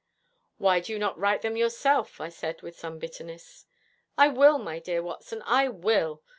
'Why do you not write them yourself?' I said, with some bitterness. 'I will, my dear Watson, I will.